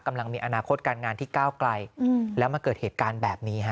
กำลังมีอนาคตการงานที่ก้าวไกลแล้วมาเกิดเหตุการณ์แบบนี้ฮะ